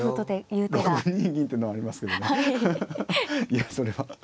いやそれは。